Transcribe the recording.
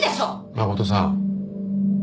真琴さん